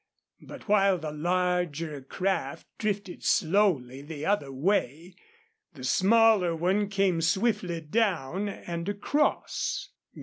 But while the larger craft drifted slowly the other way, the smaller one came swiftly down and across.